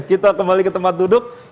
kita kembali ke tempat duduk